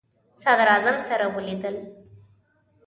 صدراعظم سره ولیدل.